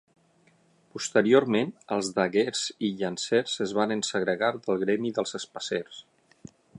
Posteriorment els daguers i llancers es varen segregar del gremi dels espasers.